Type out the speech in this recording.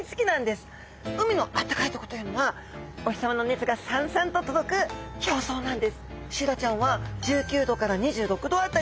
海のあったかいとこというのはお日さまの熱がさんさんと届く表層なんです。